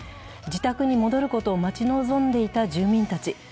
自宅に戻ることを待ち望んでいた住民たち。